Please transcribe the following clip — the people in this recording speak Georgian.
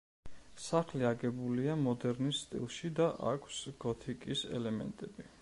სახლი აგებულია მოდერნის სტილში და აქვს გოთიკის ელემენტები.